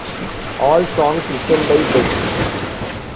All songs written by Beck.